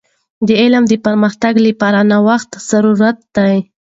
د علم د پراختیا لپاره د نوښت ضرورت دی.